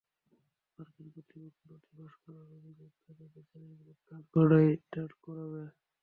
মার্কিন কর্তৃপক্ষ নথি ফাঁস করার অভিযোগে তাঁকে বিচারের কাঠগড়ায় দাঁড় করাবে।